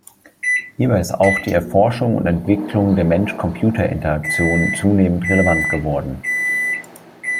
Hierbei ist auch die Erforschung und Entwicklung der Mensch-Computer-Interaktion zunehmend relevant geworden.